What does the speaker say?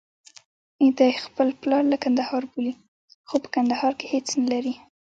دی خپل پلار له کندهار بولي، خو په کندهار کې هېڅ نلري.